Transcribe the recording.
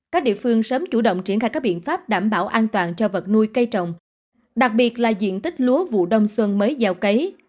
các địa phương sớm chủ động triển khai các biện pháp đảm bảo an toàn cho vật nuôi cây trồng đặc biệt là diện tích lúa vụ đông xuân mới gieo cấy